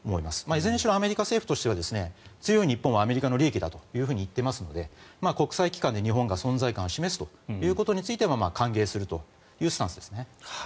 いずれにせよアメリカ政府としては強い日本はアメリカの利益だと言っていますので国際機関で日本が存在感を示すということについては歓迎するというスタンスですね。